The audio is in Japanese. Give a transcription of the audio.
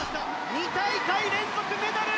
２大会連続メダル！